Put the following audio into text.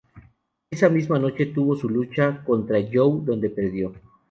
Esa misma noche, tuvo su lucha contra Joe donde perdió.